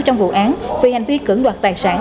trong vụ án vì hành vi cưỡng đoạt toàn sản